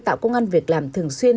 tạo công an việc làm thường xuyên